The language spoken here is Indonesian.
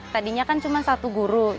tadinya kan cuma satu guru